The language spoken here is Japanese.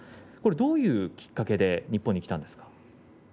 どういうきっかけで日本に来たんですか。